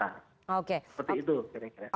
jadi kita harus berpikir pikir